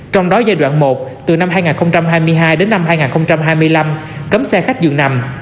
trong đó giai đoạn một từ năm hai nghìn hai mươi hai đến năm hai nghìn hai mươi năm cấm xe khách dường nằm